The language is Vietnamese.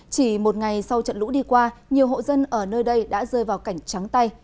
chỉ một ngày sau trận lũ đi qua nhiều hộ dân ở nơi đây đã rơi vào cảnh trắng tay